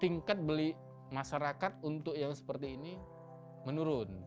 tingkat beli masyarakat untuk yang seperti ini menurun